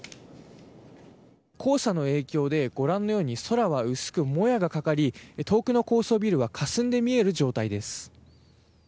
黄砂の影響で、ご覧のように空は薄くもやがかかり遠くの高層ビルはかすんで見える状態です。